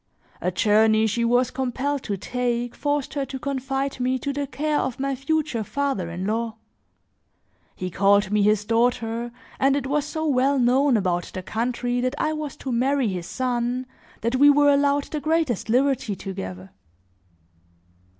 A journey she was compelled to take, forced her to confide me to the care of my future father in law. He called me his daughter and it was so well known about the country that I was to marry his son that we were allowed the greatest liberty together.